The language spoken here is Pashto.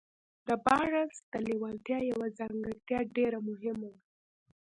د بارنس د لېوالتیا يوه ځانګړتيا ډېره مهمه وه.